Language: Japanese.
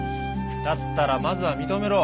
だったらまずは認めろ。